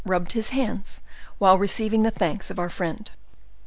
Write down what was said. rubbed his hands while receiving the thanks of our friend.